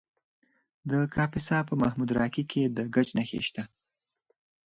د کاپیسا په محمود راقي کې د ګچ نښې شته.